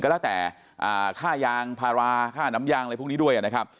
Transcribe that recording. ก็แล้วแต่ข้าวยางภาราข้าน้ำยางอะไรพวกนี้ด้วย